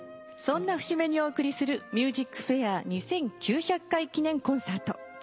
そんな節目にお送りする『ＭＵＳＩＣＦＡＩＲ』２９００回記念コンサート。